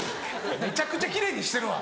めちゃくちゃ奇麗にしてるわ！